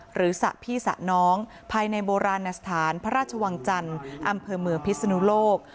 สระพี่สะน้องภายในโบราณสถานพระราชวังจันทร์อำเภอเมืองพิศนุโลก